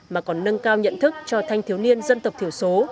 mà còn nâng cao nhận thức cho thanh thiếu niên dân tộc thiểu số